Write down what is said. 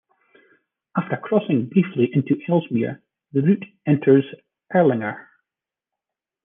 After crossing briefly into Elsmere, the route enters Erlanger.